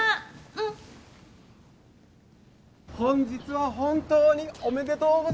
本日は本当におめでとうございます。